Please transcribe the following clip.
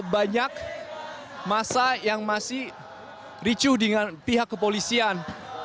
banyak masa yang masih ricu dengan pihak kepolisian